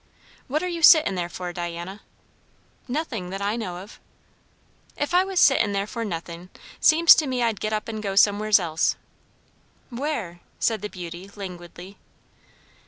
"What are you sittin' there for, Diana?" "Nothing, that I know of." "If I was sittin' there for nothin', seems to me I'd get up and go somewheres else." "Where?" said the beauty languidly.